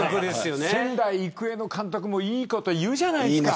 仙台育英の監督もいいこと言うじゃないですか。